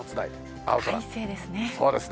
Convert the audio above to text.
快晴ですね。